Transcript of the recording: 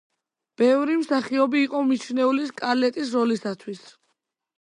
ბევრი მსახიობი იყო მიჩნეული სკარლეტის როლისათვის.